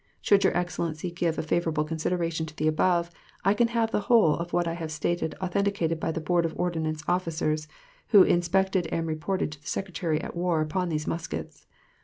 Should your Excellency give a favorable consideration to the above, I can have the whole of what I have stated authenticated by the board of ordnance officers, who inspected and reported to the Secretary at War upon these muskets.